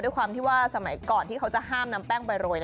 ด้วยความที่ว่าสมัยก่อนที่เขาจะห้ามนำแป้งไปโรย